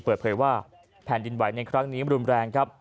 เปิดเผยว่าแผ่นดินไหวในครั้งนี้รุนแรงครับ